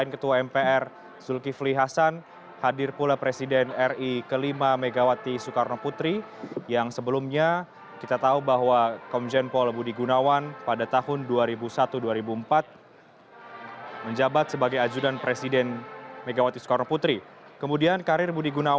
kepada yang terakhir